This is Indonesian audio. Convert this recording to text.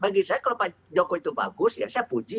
bagi saya kalau pak jokowi itu bagus ya saya puji